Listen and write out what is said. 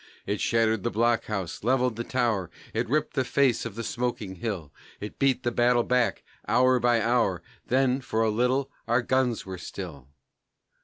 It shattered the blockhouse, levelled the tower, It ripped the face of the smoking hill, It beat the battle back, hour by hour, And then, for a little, our guns were still.